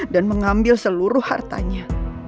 dan mengambil seluruh hartanya